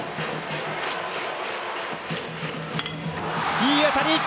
いい当たり！